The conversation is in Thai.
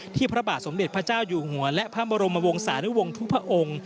พระบาทสมเด็จพระเจ้าอยู่หัวและพระบรมวงศานุวงศ์ทุกพระองค์